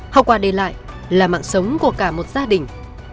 hậu quả để lại là mạng sống của cả một gia đình